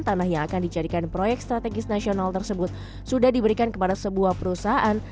tanah yang akan dijadikan proyek strategis nasional tersebut sudah diberikan kepada sebuah perusahaan